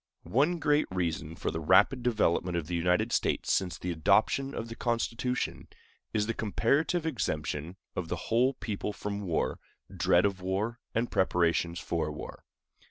One great reason for the rapid development of the United States since the adoption of the Constitution is the comparative exemption of the whole people from war, dread of war, and preparations for war.